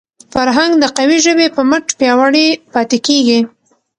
فرهنګ د قوي ژبي په مټ پیاوړی پاتې کېږي.